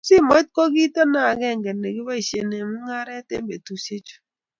Simoit ko kito akenge ne kiboisie eng mong'aree eng betushe chu.